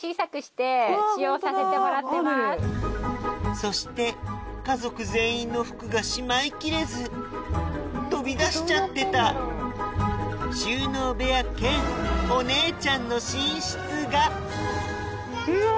そして家族全員の服がしまいきれず飛び出しちゃってた収納部屋兼お姉ちゃんの寝室がうわ！